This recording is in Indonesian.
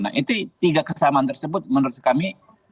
nah itu tiga kesamaan tersebut menurut kami